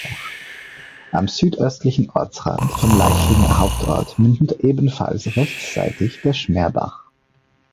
Am südöstlichen Ortsrand vom Leichlinger Hauptort mündet ebenfalls rechtsseitig der "Schmerbach".